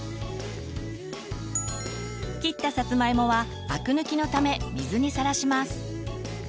切ったさつまいもはあく抜きのため水にさらします。